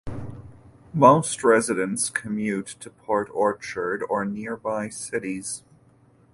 Most residents commute to Port Orchard or nearby cities.